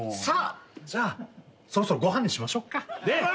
さあじゃあそろそろご飯にしましょっか。